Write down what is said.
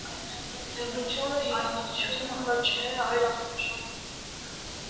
Դեղնութիւնը հիւանդութիւն մը չէ, այլ ախտանշան մը։